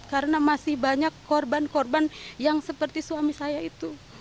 karena masih banyak korban korban yang seperti suami saya itu